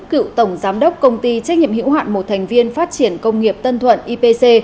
cựu tổng giám đốc công ty trách nhiệm hữu hạn một thành viên phát triển công nghiệp tân thuận ipc